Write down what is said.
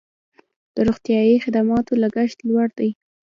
د روغتیايي خدماتو لګښت لوړ دی